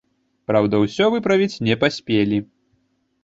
Праўда, усё выправіць не паспелі.